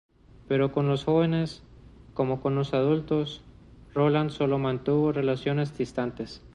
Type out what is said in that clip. Pero con los jóvenes, como con los adultos, Rolland sólo mantuvo relaciones distantes.